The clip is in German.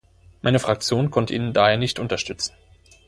Meine Fraktion konnte ihn daher nicht unterstützen.